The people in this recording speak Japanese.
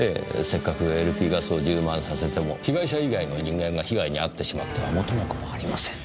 せっかくＬＰガスを充満させても被害者以外の人間が被害に遭ってしまっては元も子もありません。